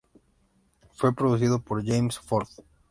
Fue producido por James Ford.